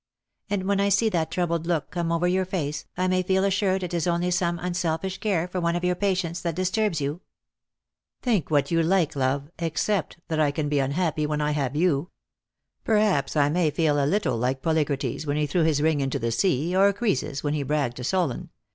And when I see that troubled look come over your face I may feel assured it is only some unselfish care for one of your patients that disturbs you ?"" Think what you like, love, except that I can be unhappy when I have you. Perhaps I may feel a little like Polycrates when he threw his ring into the sea, or Croesus when he bragged to Solon.